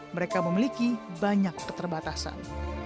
mereka memiliki banyak keterbatasan